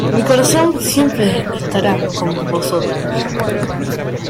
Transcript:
Mi corazón siempre estará con vosotros".